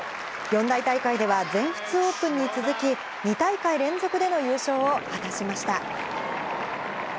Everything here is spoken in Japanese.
四大大会では全仏オープンに続き、２大会連続での優勝を果たしました。